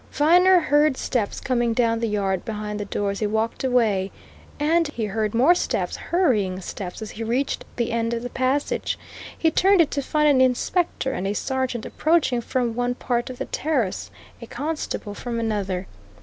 Viner heard steps coming down the yard behind the door as he walked away. And he heard more steps, hurrying steps, as he reached the end of the passage. He turned it to find an inspector and a sergeant approaching from one part of the terrace, a constable from another.